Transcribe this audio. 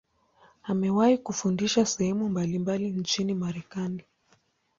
Amewahi kufundisha sehemu mbalimbali nchini Marekani.